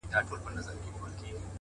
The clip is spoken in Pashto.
دغه رنگينه او حسينه سپوږمۍ ـ